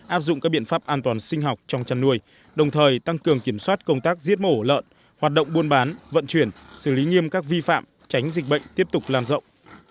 áp dụng các biện pháp an toàn sinh học trong chăn nuôi đồng thời tăng cường kiểm soát công tác giết mổ lợn hoạt động buôn bán vận chuyển xử lý nghiêm các vi phạm tránh dịch bệnh tiếp tục lan rộng